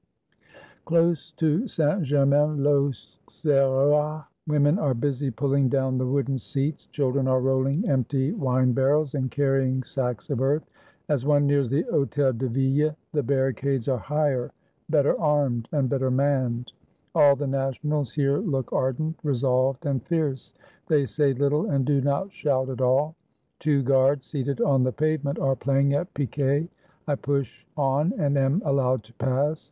Close to Saint Germain I'Auxerrois women are busy pulling down the wooden seats; children are rolHng empty wine barrels and carrying sacks of earth. As one nears the Hotel de Ville the barricades are higher, 409 FRANCE better armed, and better manned. All the Nationals here look ardent, resolved, and fierce. They say little, and do not shout at all. Two guards, seated on the pavement, are playing at picquet. I push on, and am allowed to pass.